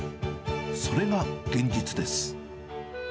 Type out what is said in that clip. それが現実です。